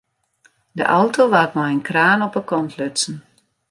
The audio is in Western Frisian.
De auto waard mei in kraan op de kant lutsen.